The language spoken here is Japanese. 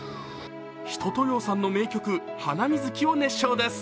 一青窈さんの名曲「ハナミズキ」を熱唱です。